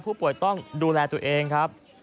ผู้ป่วยต้องดูแลตัวเองครับ